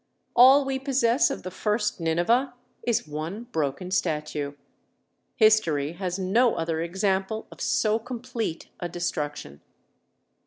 All we possess of the first Nineveh is one broken statue. History has no other example of so complete a destruction.